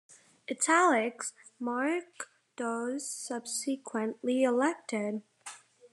"Italics" mark those subsequently elected.